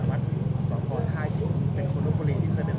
หมอบรรยาหมอบรรยา